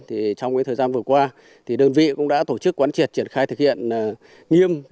trong thời gian vừa qua đơn vị cũng đã tổ chức quán triệt triển khai thực hiện nghiêm